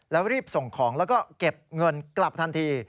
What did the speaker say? แล้วรีบส่งของแล้วก็เก็บเงินกลับทันที